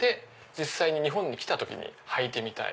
実際に日本に来た時に履いてみたい！